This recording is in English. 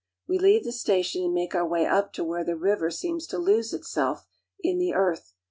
We leave the station and make our way up to where the iver seems to lose itself in the earth.